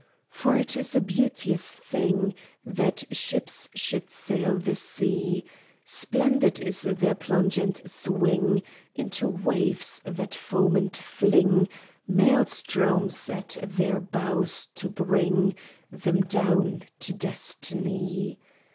For it is a beauteous thing That ships should sail the sea. Splendid is their plunge and swing Into waves that foam and fling Maelstroms at their bows to bring Them down to destiny.